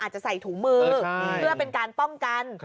จะใส่ถุงมือเพื่อเป็นการป้องกัน